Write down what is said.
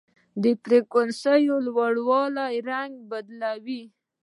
د فریکونسۍ لوړوالی رنګ بدلوي.